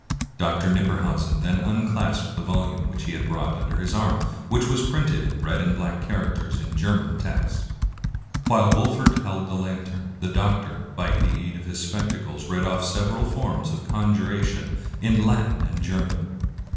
Dr. Knipperhausen then unclasped the volume which he had brought under his arm, which was printed in red and black characters in German text. While Wolfert held the lantern, the doctor, by the aid of his spectacles, read ofif several forms of conjuration in Latin and German.